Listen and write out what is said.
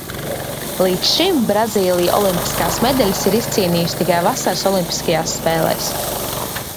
Līdz šim Brazīlija olimpiskās medaļas ir izcīnījusi tikai vasaras olimpiskajās spēlēs.